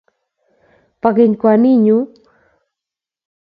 Po keny kwaninyu